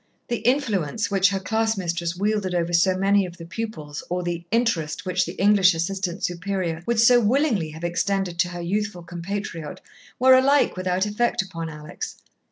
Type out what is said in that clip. The "influence" which her class mistress wielded over so many of the pupils, or the "interest" which the English Assistant Superior would so willingly have extended to her youthful compatriot were alike without effect upon Alex.